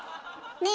ねえ